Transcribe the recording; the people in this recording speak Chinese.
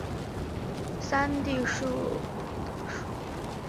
山地树鼩为婆罗洲特有的树鼩属物种。